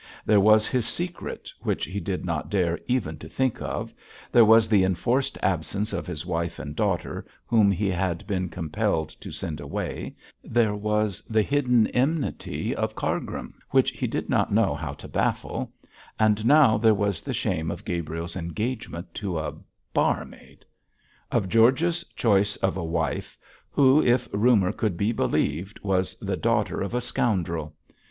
There was his secret which he did not dare even to think of; there was the enforced absence of his wife and daughter, whom he had been compelled to send away; there was the hidden enmity of Cargrim, which he did not know how to baffle; and now there was the shame of Gabriel's engagement to a barmaid; of George's choice of a wife, who, if rumour could be believed, was the daughter of a scoundrel.